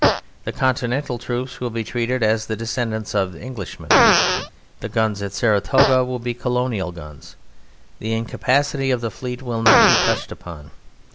The Continental troops will be treated as the descendants of Englishmen! The guns at Saratoga will be Colonial guns; the incapacity of the Fleet will not be touched upon.